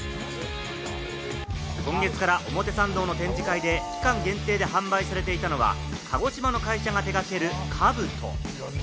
今月から表参道の展示会で期間限定で販売されていたのは、鹿児島の会社が手掛ける兜。